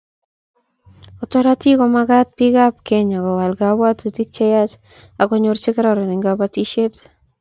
Otoroti komagat bikap Kenya Kowal kabwatutik cheyach akonyor chekororon eng kobotisiet